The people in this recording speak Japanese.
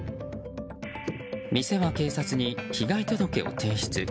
店は警察に被害届を提出。